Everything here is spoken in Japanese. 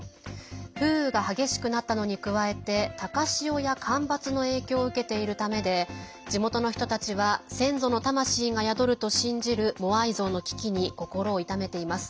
風雨が激しくなったのに加えて高潮や干ばつの影響を受けているためで地元の人たちは先祖の魂が宿ると信じるモアイ像の危機に心を痛めています。